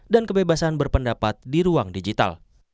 dan kebebasan berpendapat di ruang digital